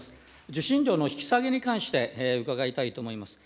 受信料の引き下げに関して伺いたいと思います。